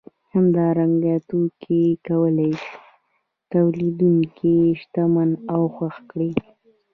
همدارنګه توکي کولای شي تولیدونکی شتمن او خوښ کړي